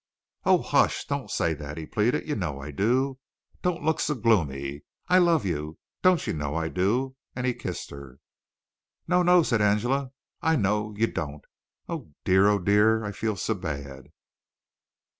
"Oh, hush! Don't say that," he pleaded. "You know I do. Don't look so gloomy. I love you don't you know I do?" and he kissed her. "No, no!" said Angela. "I know! You don't. Oh, dear; oh, dear; I feel so bad!"